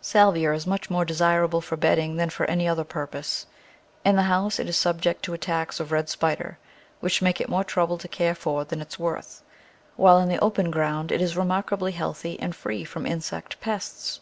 Salvia is much more desirable for bedding than for any other purpose. In the house it is subject to attacks of red spider, which make it more trouble to care for than it is worth, while in the open ground it is remarkably healthy and free from insect pests.